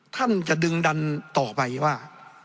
ท่านจะดึงดันต่อไปว่า